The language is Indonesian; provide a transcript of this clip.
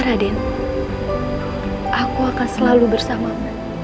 raden aku akan selalu bersama